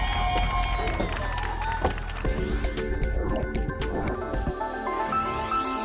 วันอาคาร๔ทุ่มตรง